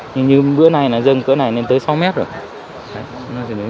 nhưng như bữa nay là dâng cỡ này lên tới sáu mét rồi